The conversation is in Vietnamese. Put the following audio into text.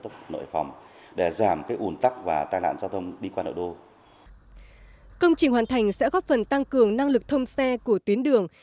công trình hoàn thành sẽ góp phần tăng cường năng lực thông xe của tuyến đường